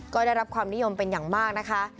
ก็ได้รับความนิยมเป็นอย่างมากนะคะ